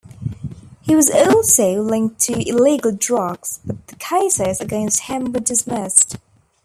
He was also linked to illegal drugs, but the cases against him were dismissed.